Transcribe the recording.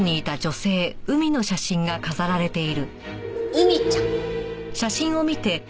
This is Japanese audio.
海ちゃん。